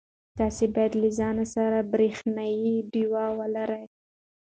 تاسي باید له ځان سره برېښنایی ډېوې ولرئ.